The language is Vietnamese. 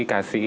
các nghệ sĩ